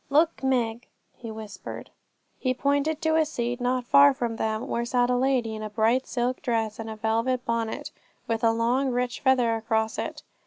'Look, Meg,' he whispered. He pointed to a seat not far from them, where sat a lady, in a bright silk dress, and a velvet bonnet with a long rich feather across it.